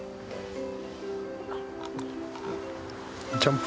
ジャンプ！